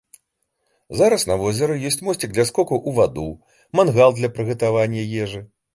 Зараз на возеры ёсць мосцік для скокаў у ваду, мангал для прыгатавання ежы.